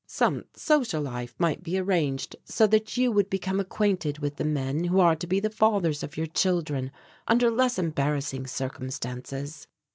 Some social life might be arranged so that you would become acquainted with the men who are to be the fathers of your children under less embarrassing circumstances."